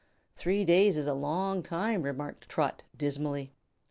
"Three days is a long time," remarked Trot, dismally.